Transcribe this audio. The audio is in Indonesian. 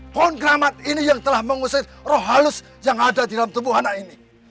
pohon keramat ini yang telah mengusir roh halus yang ada di dalam tubuh anak ini